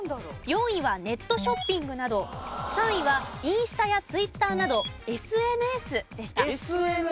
４位はネットショッピングなど３位はインスタやツイッターなどＳＮＳでした。